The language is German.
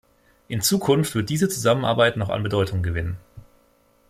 In Zukunft wird diese Zusammenarbeit noch an Bedeutung gewinnen.